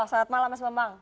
selamat malam mas bambang